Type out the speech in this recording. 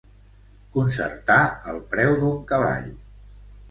Concertar el preu d'un cavall.